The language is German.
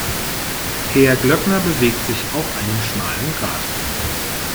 Herr Glöckner bewegt sich auf einem schmalen Grat.